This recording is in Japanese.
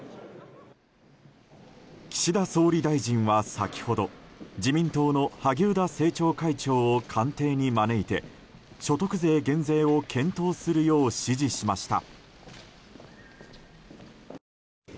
岸田総理大臣は先ほど自民党の萩生田政調会長を官邸に招いて、所得税減税を検討するよう指示しました。